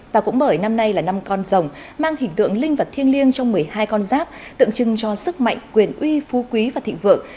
và cũng bởi năm nay là năm con rồng mang hình tượng linh vật thiêng liêng trong một mươi hai con giáp tượng trưng cho sức mạnh quyền uy phu quý và thịnh vượng